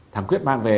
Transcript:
thằng quyết mang về